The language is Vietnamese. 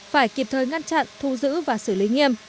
phải kịp thời ngăn chặn thu giữ và xử lý nghiêm